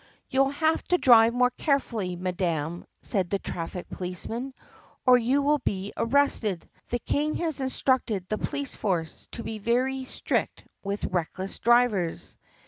"You will have to drive more carefully, ma dam/' said the traffic policeman, "or you will be arrested. The King has instructed the police force to be very strict with reckless drivers."